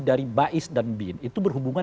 dari bais dan bin itu berhubungan